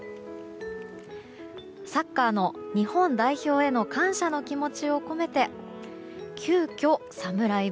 サッカーの日本代表への感謝の気持ちを込めて急きょ、サムライ